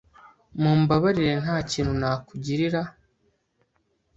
Mumbabarire, ntakintu nakugirira.